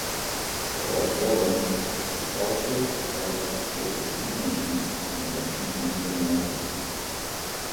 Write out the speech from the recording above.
The Auditorium was also the site of political conventions and election campaign rallies.